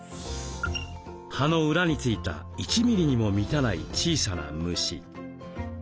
葉の裏に付いた１ミリにも満たない小さな虫。